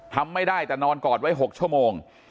ทำไม่ได้แต่นอนกอดไว้๖ชั่วโมง